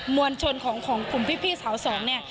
วลชนของกลุ่มพี่สาวสองเนี่ย